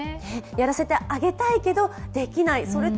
やらせてあげたいけどできない。